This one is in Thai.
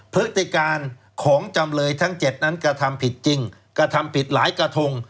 พฤติการของจำเลยทั้ง๗นั้นกระทำผิดจริงกระทำผิดหลายกระทง